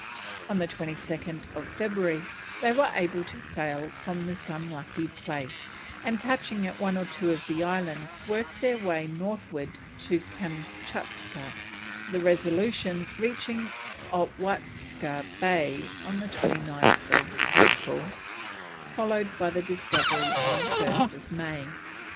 On 22nd February they were able to sail from this unlucky place, and touching at one or two of the islands worked their way northwards to Kamtschatka, the Resolution reaching Owatska Bay on 29th April, followed by the discovery on 1st May.